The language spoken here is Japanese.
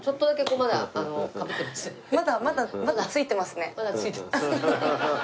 まだまだまだついてますね。